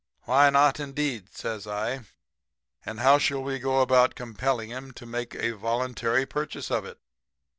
"'Why not, indeed?' says I. 'And how shall we go about compelling him to make a voluntary purchase of it?'